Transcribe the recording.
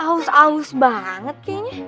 haus haus banget kayaknya